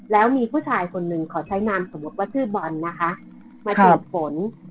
แล้วมีผู้ชายคนหนึ่งขอใช้นามสมมุติว่าชื่อบอลนะคะมาตรวจฝน